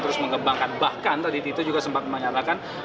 terus mengembangkan bahkan tadi tito juga sempat menyatakan